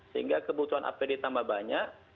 sehingga kebutuhan apd tambah